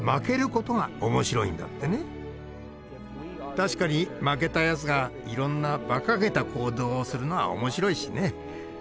確かに負けたやつがいろんなバカげた行動をするのは面白いしね。